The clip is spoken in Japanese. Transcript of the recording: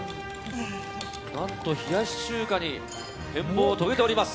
何と冷やし中華に変貌を遂げております。